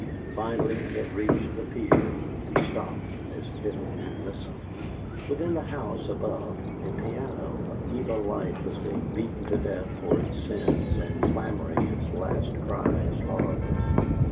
Finally it reached the pier, and stopped as if to listen. Within the house above, a piano of evil life was being beaten to death for its sins and clamoring its last cries horribly.